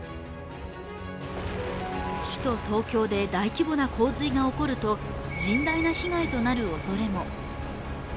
首都東京で大規模な洪水が起こると甚大な被害となるおそれも。